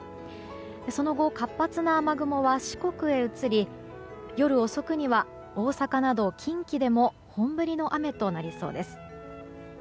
その後、活発な雨雲は四国へ移り夜遅くには大阪など近畿でも本降りの雨となりそうです。